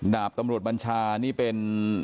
ดาบตำรวจบัญชานี่เป็น